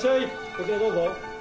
こちらどうぞ。